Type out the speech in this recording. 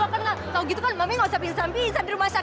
kalau tante michelle mami juga kenal